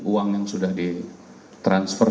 uang yang sudah di transfer